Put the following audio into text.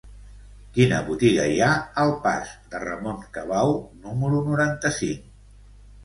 Quina botiga hi ha al pas de Ramon Cabau número noranta-cinc?